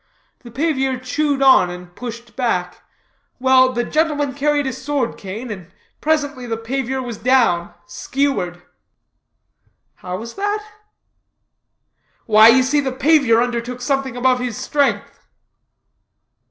The pavior chewed on and pushed back. Well, the gentleman carried a sword cane, and presently the pavior was down skewered." "How was that?" "Why you see the pavior undertook something above his strength."